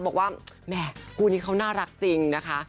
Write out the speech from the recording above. บอกว่าแหม่คู่นี้เขาน่ารักจริงนะคะ